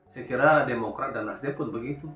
saya kira demokrat dan nasdem pun begitu